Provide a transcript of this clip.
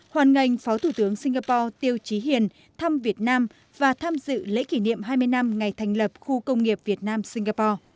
hoàn ngành phó thủ tướng singapore tiêu trí hiền thăm việt nam và tham dự lễ kỷ niệm hai mươi năm ngày thành lập khu công nghiệp việt nam singapore